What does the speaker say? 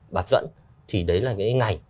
bạt dẫn thì đấy là cái ngành